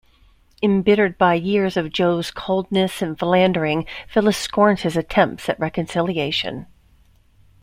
Embittered by years of Joe's coldness and philandering, Phyllis scorns his attempt at reconciliation.